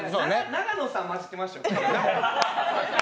永野さん、混じってましたよ